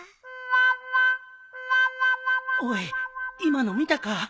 おい今の見たか？